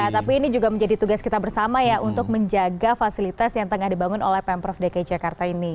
tapi ini juga menjadi tugas kita bersama ya untuk menjaga fasilitas yang tengah dibangun oleh pemprov dki jakarta ini